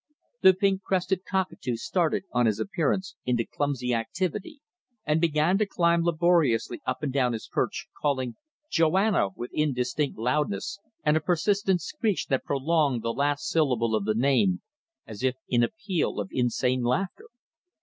The pink crested cockatoo started, on his appearance, into clumsy activity and began to climb laboriously up and down his perch, calling "Joanna" with indistinct loudness and a persistent screech that prolonged the last syllable of the name as if in a peal of insane laughter.